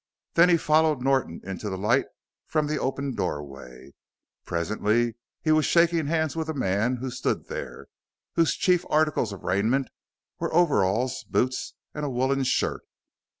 Then he followed Norton into the light from the open doorway. Presently he was shaking hands with a man who stood there, whose chief articles of raiment were overalls, boots, and a woolen shirt.